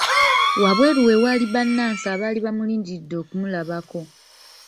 Wabweru we waali bannansi abaali bamulindiridde okumulabako.